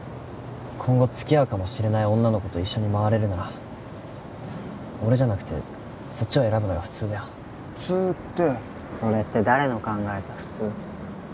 今後付き合うかもしれない女の子と一緒に回れるなら俺じゃなくてそっちを選ぶのが普通だよ普通ってそれって誰の考えた普通？